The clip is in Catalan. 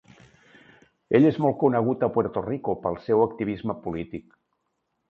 Ell és molt conegut a Puerto Rico pel seu activisme polític.